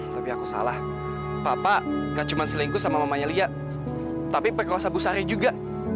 tapi aku salah papa gak cuma selingkuh sama mamanya lia tapi pake kuasa bu sari juga